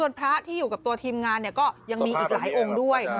พระที่อยู่กับตัวทีมงานก็ยังมีอีกหลายองค์ด้วย